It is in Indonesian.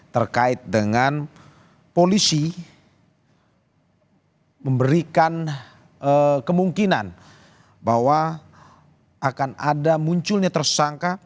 terkait dengan polisi memberikan kemungkinan bahwa akan ada munculnya tersangka